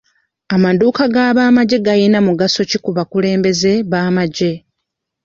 Amadduuka g'abamagye gayina mugaso ki ku bakulembeze b'amagye?